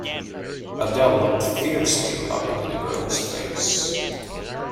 Adele looked fiercely up into the girl's face.